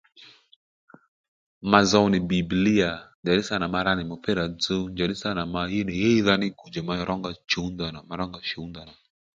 Ma zow nì Bibilia njàddí sânà mara nì mupira dzuw njàddí sâ nà ma ɦíy nì ɦíydha ní ma ró nga chǔw nda nà ma rónga shǔw ndanà